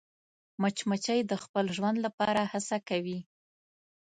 مچمچۍ د خپل ژوند لپاره هڅه کوي